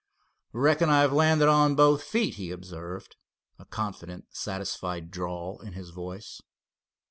"Reckon I've landed on both feet," he observed, a confident, satisfied drawl in his voice.